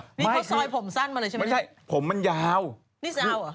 นี่เขาซอยผมสั้นมาเลยใช่ไหมไม่ใช่ผมมันยาวนี่แซวเหรอ